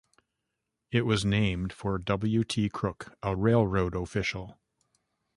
It was named for W. T. Crook, a railroad official.